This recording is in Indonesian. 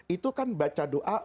itu kan baca doa